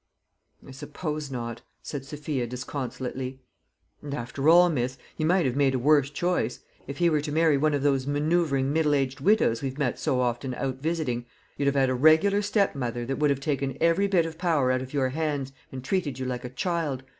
"I suppose not," said Sophia disconsolately. "And after all, miss, he might have made a worse choice. If he were to marry one of those manoeuvring middle aged widows we've met so often out visiting, you'd have had a regular stepmother, that would have taken every bit of power out of your hands, and treated you like a child.